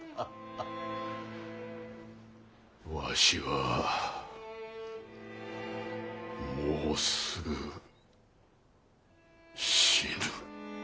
わしはもうすぐ死ぬ。